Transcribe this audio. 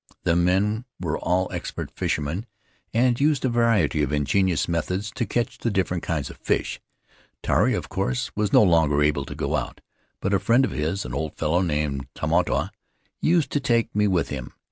The men were all expert fishermen, and used a variety of ingenious methods to catch the different kinds of fish. Tairi, of course, was no longer able to go out; but a friend of his — an old fellow named Tamatoa — used to take me with him.